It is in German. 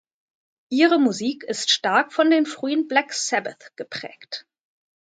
Ihre Musik ist stark von den frühen Black Sabbath geprägt.